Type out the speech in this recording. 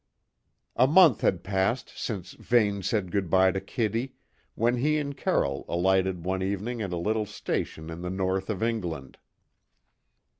A month had passed since Vane said good bye to Kitty, when he and Carroll alighted one evening at a little station in the north of England.